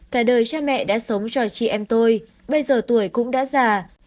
cả đời cha mẹ đã sống cho chị em tôi bây giờ tuổi cũng đã già